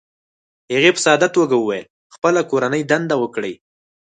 هغې په ساده توګه وویل: "خپله کورنۍ دنده وکړئ،